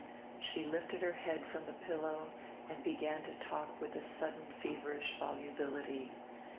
She lifted her head from the pillow and began to talk with a sudden feverish volubility.